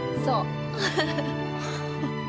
そう。